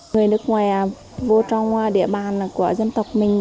người nước ngoài vô trong địa bàn của dân tộc mình